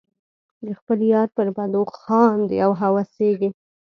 د خپل یار پر بدو خاندې او هوسیږم.